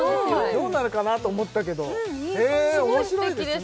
どうなるかなと思ったけどへえ面白いですね